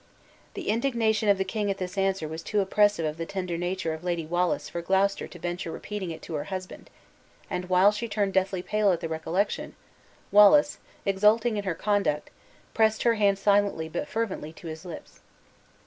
The indignation of the king at this answer was too oppressive of the tender nature of Lady Wallace for Gloucester to venture repeating it to her husband; and, while she turned deathly pale at the recollection, Wallace, exulting in her conduct, pressed her hand silently but fervently to his lips.